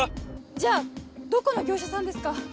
じゃあどこの業者さんですか？